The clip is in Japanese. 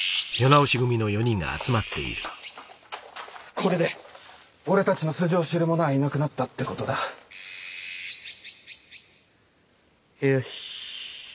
これで俺たちの素性を知る者はいなくなったってことだよし